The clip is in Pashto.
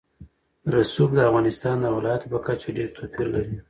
رسوب د افغانستان د ولایاتو په کچه ډېر توپیر لري.